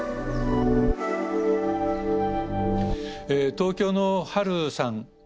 東京のはるさん。